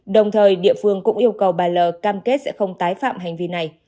đồng thời địa phương cũng yêu cầu bà l cam kết sẽ không tái phạm hành vi này